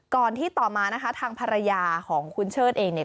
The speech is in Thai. ที่ต่อมานะคะทางภรรยาของคุณเชิดเองเนี่ย